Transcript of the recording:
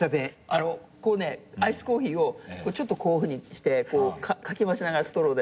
こうねアイスコーヒーをちょっとこういうふうにしてかき回しながらストローで。